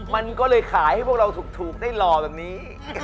มันก็เลยขายให้พวกเราถูกได้หล่อแบบนี้